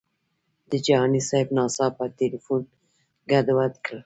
د جهاني صاحب ناڅاپه تیلفون ګډوډ کړل.